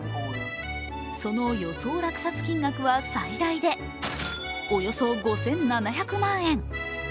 その予想落札金額は最大でおよそ５７００万円。